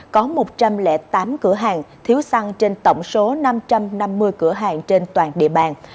có một trăm linh tám cửa hàng thiếu xăng trên tổng số năm trăm năm mươi cửa hàng trên toàn địa bàn